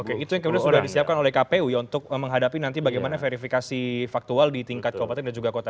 oke itu yang kemudian sudah disiapkan oleh kpu ya untuk menghadapi nanti bagaimana verifikasi faktual di tingkat kabupaten dan juga kota